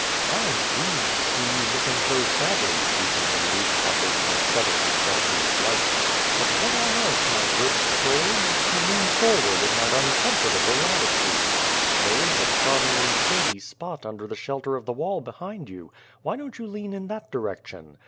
" I am grieved to see you looking so sadly," he continued, after he had settled himself to his liking, " but what on earth, my good soul, makes you lean forward in that uncomfortable attitude ? There is a charmingly shady spot under the shelter of the wall behind you. Why don't you lean in that direction